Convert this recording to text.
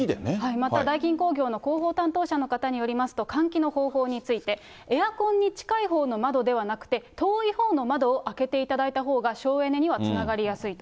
またダイキン工業の広報担当者の方によりますと、換気の方法について、エアコンに近いほうの窓ではなくて、遠いほうの窓を開けていただいたほうが、省エネにはつながりやすいと。